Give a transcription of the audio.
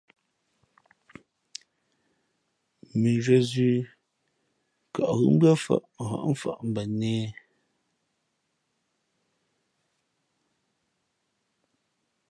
Mʉnzhwē zʉ̌,kαʼghʉ̄ mbʉ́ά fαʼ hα̌ʼmfαʼ mbα nēhē.